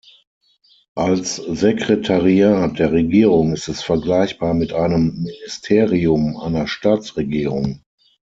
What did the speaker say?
Als Sekretariat der Regierung ist es vergleichbar mit einem Ministerium einer Staatsregierung.